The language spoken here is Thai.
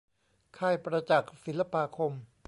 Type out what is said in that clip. ค่ายประจักษ์ศิลปาคม